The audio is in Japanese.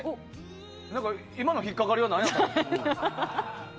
今の引っ掛かりはなんや？